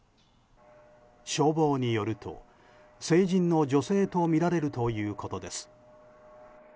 消防によると、成人の女性とみられるということです。